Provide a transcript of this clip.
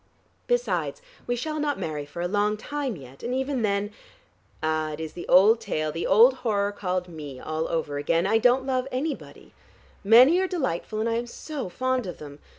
Besides, we shall not marry for a long time yet, and even then Ah, it is the old tale, the old horror called Me all over again I don't love anybody. Many are delightful and I am so fond of them.